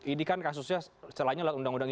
ini kan kasusnya celahnya undang undang